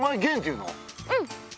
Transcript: うん。